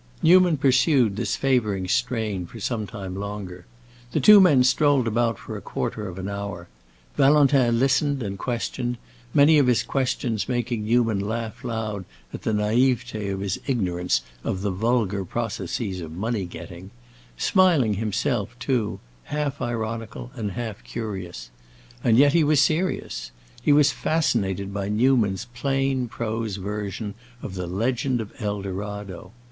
Newman pursued this favoring strain for some time longer. The two men strolled about for a quarter of an hour. Valentin listened and questioned, many of his questions making Newman laugh loud at the naïveté of his ignorance of the vulgar processes of money getting; smiling himself, too, half ironical and half curious. And yet he was serious; he was fascinated by Newman's plain prose version of the legend of El Dorado.